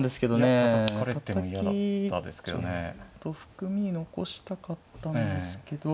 たたきちょっと含み残したかったんですけど。